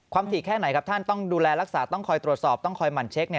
ถี่แค่ไหนครับท่านต้องดูแลรักษาต้องคอยตรวจสอบต้องคอยหมั่นเช็ค